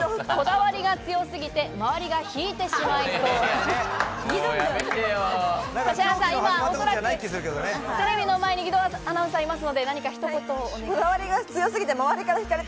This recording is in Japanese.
こだわりが強すぎて周りが引いてしまいそうです。